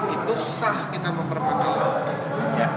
itu sah kita mempermasalahkan